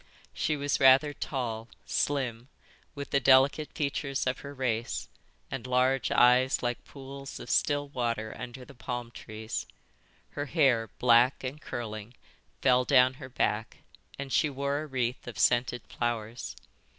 She was rather tall, slim, with the delicate features of her race, and large eyes like pools of still water under the palm trees; her hair, black and curling, fell down her back, and she wore a wreath of scented flowers.